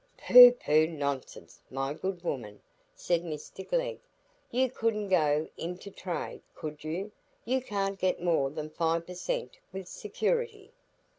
"Pooh, pooh, nonsense, my good woman," said Mr Glegg. "You couldn't go into trade, could you? You can't get more than five per cent with security."